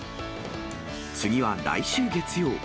次は来週月曜。